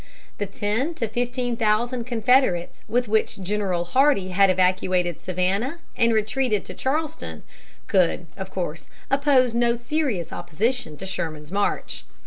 The ten to fifteen thousand Confederates with which General Hardee had evacuated Savannah and retreated to Charleston could, of course, oppose no serious opposition to Sherman's march.